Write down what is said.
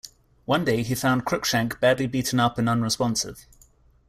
One day he found Crookshank badly beaten up and unresponsive.